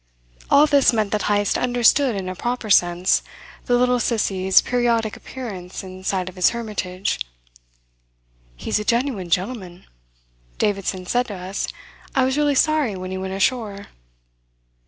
All this meant that Heyst understood in a proper sense the little Sissie's periodic appearance in sight of his hermitage. "He's a genuine gentleman," Davidson said to us. "I was really sorry when he went ashore."